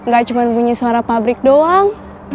gak cuma bunyi suara pabrik doang